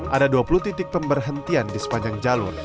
ada dua puluh titik pemberhentian di sepanjang jalur